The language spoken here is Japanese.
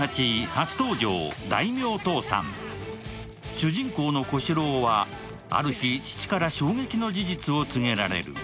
主人公の小四郎はある日、父から衝撃の事実を告げられる。